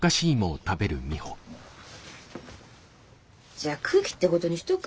じゃあ空気ってことにしとく？